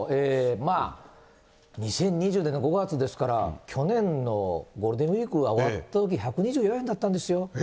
まあ、２０２０年の５月ですから、去年のゴールデンウィークが終わったとき１２４円だったんですよ。